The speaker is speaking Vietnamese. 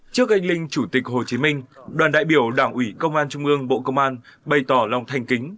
trước anh linh chủ tịch hồ chí minh đoàn đại biểu đảng ủy công an trung ương bộ công an bày tỏ lòng thanh kính